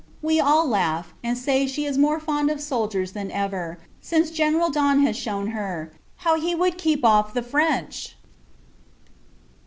We all laugh, and say she is more fond of soldiers than ever, since General Don has shewn her how he would keep off the French!